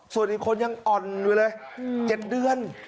ส่วนอีกคนยังอ่อนอยู่เลย๗เดือน